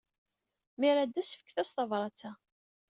Mi ara d-tas, fket-as tabṛat-a.